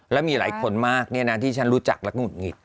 แล้วมีหลายคนมากที่ฉันรู้จักและหงุดหงิด